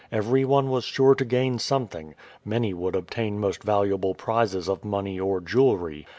Every one was sure to gain something. Many would obtain most valuable prizes of money or jewelry.